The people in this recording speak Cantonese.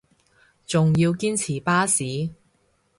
仲要堅持巴士